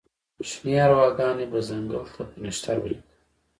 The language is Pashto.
شني ارواګانې به ځنګل ته پر نښتر ولیکم